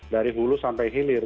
dari hulu sampai hilir